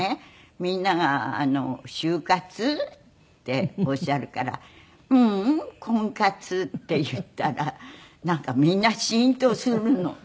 みんなが「終活？」っておっしゃるから「ううん。婚活」って言ったらなんかみんなシーンとするの。